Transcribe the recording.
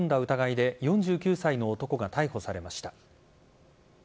疑いで４９歳の男が逮捕されました。